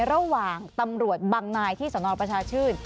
ระหว่างตำรวจบางนายที่สนประชาชื่น